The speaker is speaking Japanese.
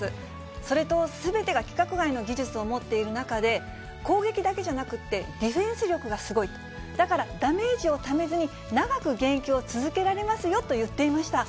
それと、すべてが規格外の技術を持っている中で、攻撃だけじゃなくてディフェンス力もすごいと、だから、ダメージをためずに長く現役を続けられますよと言っていました。